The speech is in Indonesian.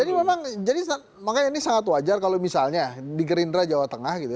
jadi memang makanya ini sangat wajar kalau misalnya di gerindra jawa tengah gitu ya